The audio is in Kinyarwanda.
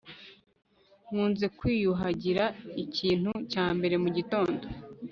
nkunze kwiyuhagira ikintu cya mbere mugitondo